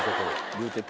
言うてた。